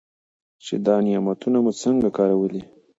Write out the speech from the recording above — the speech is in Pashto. چې دا نعمتونه مو څنګه کارولي.